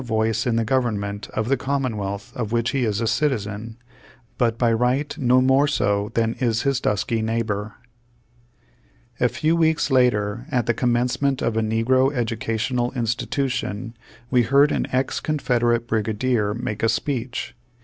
Page Two Hundred twelve in the government of the commonwealth of which he is a citizen, but by right no more so than is his dusky neighbor. A few weeks later, at the commencement of a negro educational institution,'^ we heard an ex Confederate Brigadier make a speech.